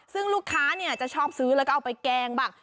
ซึ่งลูกค้าจะชอบซื้อแล้วก็เอาไปแกงบ้าง